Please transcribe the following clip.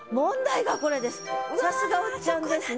さすがおっちゃんですね。